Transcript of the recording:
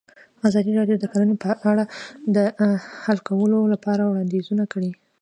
ازادي راډیو د کرهنه په اړه د حل کولو لپاره وړاندیزونه کړي.